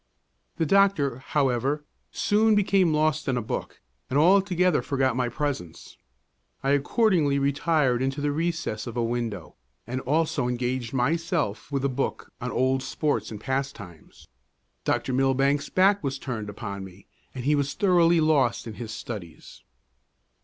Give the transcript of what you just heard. The doctor, however, soon became lost in a book, and altogether forgot my presence. I accordingly retired into the recess of a window, and also engaged myself with a book on old sports and pastimes. Dr. Millbank's back was turned upon me, and he was thoroughly lost in his studies.